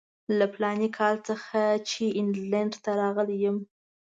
له فلاني کال څخه چې انګلینډ ته راغلی یم.